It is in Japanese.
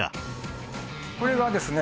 これはですね